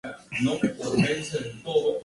Perianto amarillo-rojo, en tubo corto, acampanado.